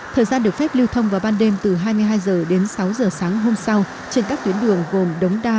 thời gian được phép lưu thông vào ban đêm từ hai mươi hai h đến sáu h sáng hôm sau trên các tuyến đường gồm đống đa